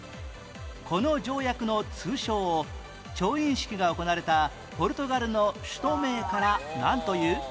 この条約の通称を調印式が行われたポルトガルの首都名からなんという？